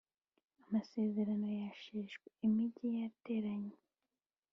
Amasezerano yasheshwe, imigi yatereranywe,